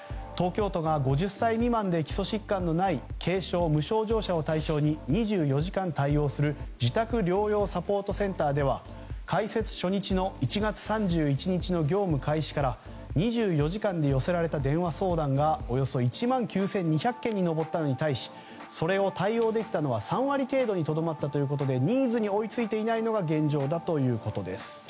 東京都が５０歳未満で基礎疾患のない軽症・無症状者を対象に２４時間対応する自宅療養サポートセンターでは開設初日の１月３１日の業務開始から２４時間で寄せられた電話相談がおよそ１万９２００件に上ったのに対しそれを対応できたのは３割程度にとどまったということでニーズに追い付いていないのが現状だということです。